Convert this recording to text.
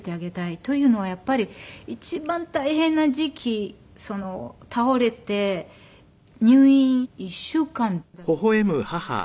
というのはやっぱり一番大変な時期倒れて入院１週間だけで。